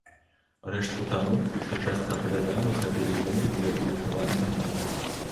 Рэштку таму, што частка апавяданняў з гэтай легенды былі апублікаваны раней.